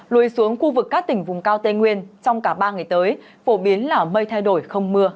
lùi xuống khu vực các tỉnh vùng cao tây nguyên trong cả ba ngày tới phổ biến là mây thay đổi không mưa